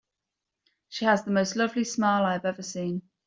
She has the most lovely smile I have ever seen.